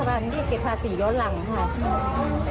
รัฐบาลมีเก็บภาษีร้อนหลังค่ะ